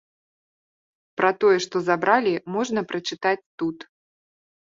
Пра тое, што забралі можна прачытаць тут.